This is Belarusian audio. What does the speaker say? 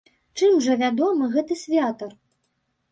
Чым жа вядомы гэты святар?